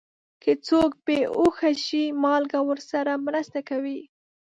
که څوک بې هوښه شي، مالګه ورسره مرسته کوي.